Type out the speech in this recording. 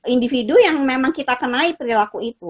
individu yang memang kita kenai perilaku itu